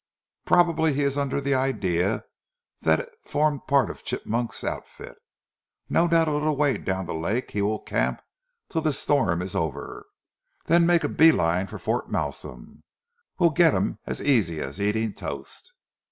Probably he is under the idea that it formed part of Chigmok's outfit. No doubt a little way down the lake he will camp till the storm is over, then make a bee line for Fort Malsun we'll get him as easy as eating toast."